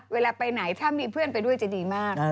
เวลาไปไหนถ้ามีเพื่อนไปด้วยจะดีมาก